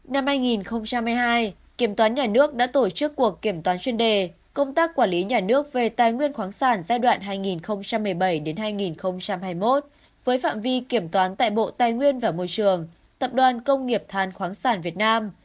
năm hai nghìn hai mươi hai kiểm toán nhà nước đã tổ chức cuộc kiểm toán chuyên đề công tác quản lý nhà nước về tài nguyên khoáng sản giai đoạn hai nghìn một mươi bảy hai nghìn hai mươi một với phạm vi kiểm toán tại bộ tài nguyên và môi trường tập đoàn công nghiệp than khoáng sản việt nam